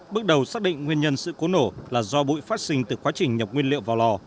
bước đầu xác định nguyên nhân sự cố nổ là do bụi phát sinh từ quá trình nhập nguyên liệu vào lò